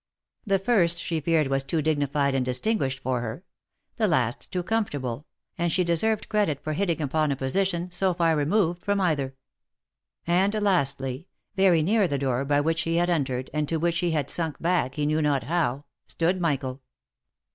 The first she feared was too dignified and distinguished for her ; the last too comfortable, and she deserved credit for hitting upon a position so far removed from either; and lastly, very near the door by which he had entered, and to which he had slunk back he knew not how, stood Michael.